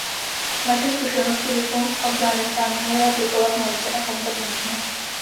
Naše zkušenosti bychom v Afghánistánu měli aplikovat moudře a kompetentně.